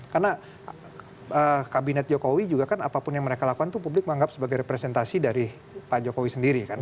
karena kabinet jokowi juga kan apapun yang mereka lakukan tuh publik menganggap sebagai representasi dari pak jokowi sendiri kan